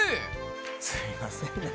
すいませんね。